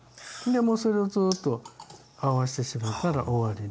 もうそれをずっと合わしてしまったら終わりなんですね。